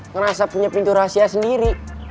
ngerasa punya pintu rahasia sendiri